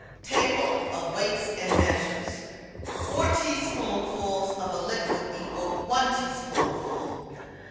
TABLE OF WEIGHTS AND MEASURES Four teaspoonfuls of a liquid equal 1 tablespoonful.